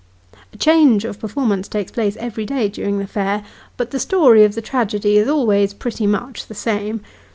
A change of performance takes place every day during the fair, but the story of the tragedy is always pretty much the same.